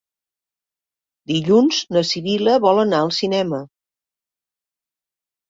Dilluns na Sibil·la vol anar al cinema.